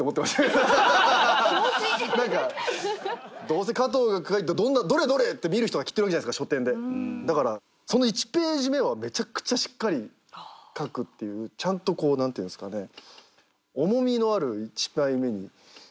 どうせ加藤が書いたどれどれって見る人がきっといるじゃないですか書店でだからその１ページ目はめちゃくちゃしっかり書くっていうちゃんとこう何ていうんですかね。